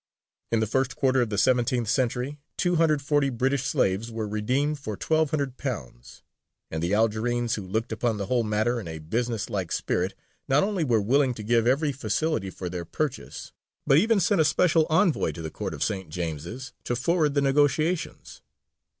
In the first quarter of the seventeenth century 240 British slaves were redeemed for £1,200; and the Algerines, who looked upon the whole matter in a businesslike spirit, not only were willing to give every facility for their purchase, but even sent a special envoy to the Court of St. James's to forward the negotiations.